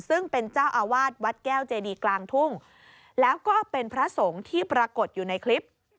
ซึ่งเป็นเจ้าอาวาสวัดแก้วเจดีกลางทุ่งแล้วก็เป็นพระสงฆ์ที่ปรากฏอยู่ในคลิป